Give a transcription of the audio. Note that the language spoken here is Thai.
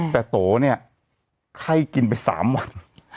แต่โต๋ไข้กินไป๓วัน